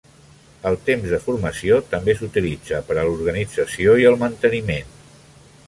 El temps de formació també s'utilitza per a l'organització i el manteniment.